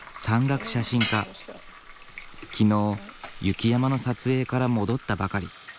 昨日雪山の撮影から戻ったばかり。